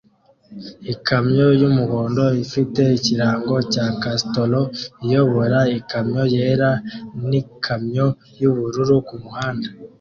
Ikamyo y'umuhondo ifite ikirango cya Casterol iyobora ikamyo yera n'ikamyo y'ubururu kumuhanda